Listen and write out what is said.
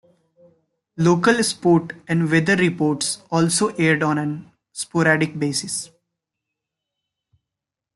Local sport and weather reports also aired on an sporadic basis.